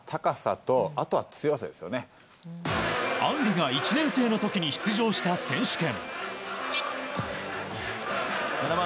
アンリが１年生の時に出場した選手権。